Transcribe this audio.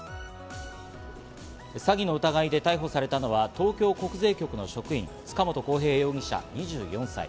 詐欺の疑いで逮捕されたのは、東京国税局の職員・塚本晃平容疑者２４歳。